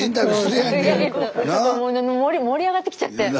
盛り上がってきちゃって。